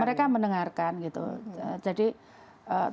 mereka mendengarkan gitu jadi tapi kan tidak bisa ini begitu ya